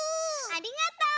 ありがとう！